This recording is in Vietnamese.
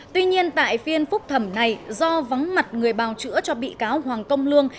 tuy nhiên tại phiên phúc thẩm này do vắng mặt người bào chữa cho bị cáo hoàng công lương